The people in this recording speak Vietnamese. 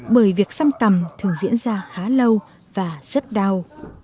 bởi việc xăm cằm thường diễn ra khá lâu và rất đau